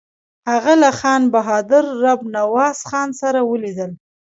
هغه له خان بهادر رب نواز خان سره ولیدل.